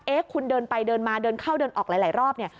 คุณเดินไปเดินมาเดินเข้าเดินออกหลายรอบเนี่ย